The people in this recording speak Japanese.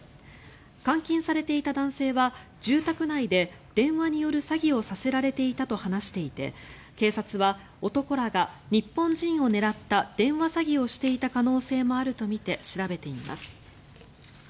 監禁されていた男性は住宅内で電話による詐欺をさせられていたと話していて警察は男らが日本人を狙った電話詐欺をしていた可能性もあるとみて調べています。